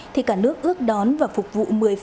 thì cả nước ước đón và phục vụ